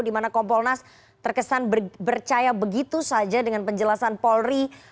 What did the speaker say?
dimana kompolnas terkesan berpercaya begitu saja dengan penjelasan polri